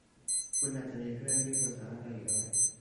คุณอาจจะมีเพื่อนที่คุณสามารถไปอยู่ด้วย